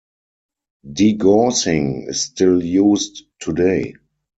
Degaussing is still used today.